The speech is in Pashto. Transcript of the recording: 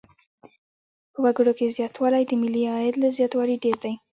په وګړو کې زیاتوالی د ملي عاید له زیاتوالي ډېر دی.